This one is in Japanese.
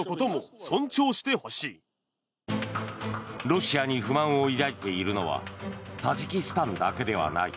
ロシアに不満を抱いているのはタジキスタンだけではない。